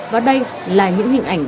và đây là những hình ảnh